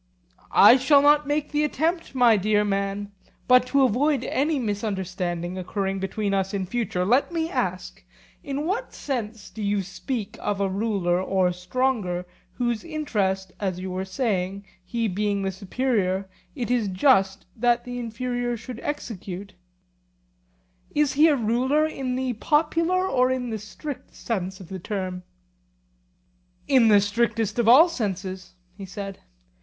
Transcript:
I shall not make the attempt, my dear man; but to avoid any misunderstanding occurring between us in future, let me ask, in what sense do you speak of a ruler or stronger whose interest, as you were saying, he being the superior, it is just that the inferior should execute—is he a ruler in the popular or in the strict sense of the term? In the strictest of all senses, he said.